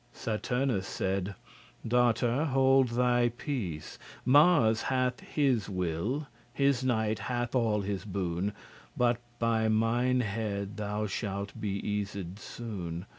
Saturnus saide: "Daughter, hold thy peace. Mars hath his will, his knight hath all his boon, And by mine head thou shalt be eased soon."